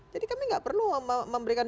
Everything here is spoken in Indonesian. jadi kami tidak perlu memberikan